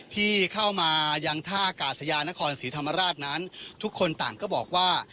ที่เข้ามายังท่ากาศยานครศรีธรรมราชนั้นทุกคนต่างก็บอกว่า